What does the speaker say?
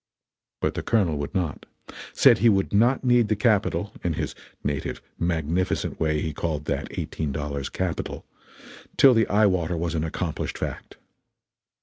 But the Colonel would not; said he would not need the capital (in his native magnificent way he called that eighteen dollars Capital) till the eye water was an accomplished fact.